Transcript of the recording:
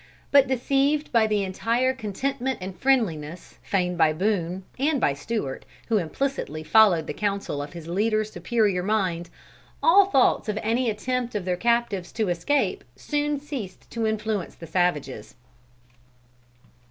But deceived by the entire contentment and friendliness, feigned by Boone, and by Stewart who implicitly followed the counsel of his leader's superior mind, all thoughts of any attempt of their captives to escape soon ceased to influence the savages.